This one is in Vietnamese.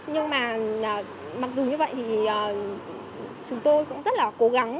nhưng mà mặc dù như vậy thì chúng tôi cũng rất là cố gắng